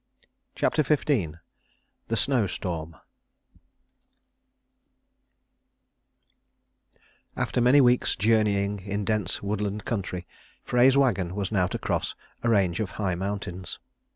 CHAPTER XV THE SNOWSTORM After many weeks journeying in dense woodland country, Frey's wagon was now to cross a range of high mountains.